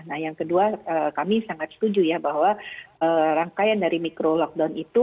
nah yang kedua kami sangat setuju ya bahwa rangkaian dari mikro lockdown itu